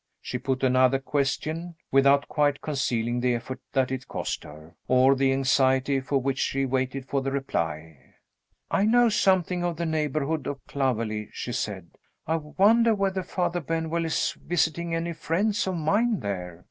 She put another question without quite concealing the effort that it cost her, or the anxiety with which she waited for the reply. "I know something of the neighborhood of Clovelly," she said. "I wonder whether Father Benwell is visiting any friends of mine there?"